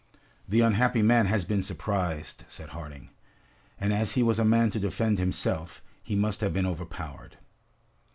"The unhappy man has been surprised," said Harding, "and as he was a man to defend himself, he must have been overpowered."